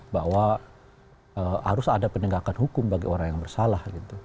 bahwa harus ada penegakan hukum bagi orang yang bersalah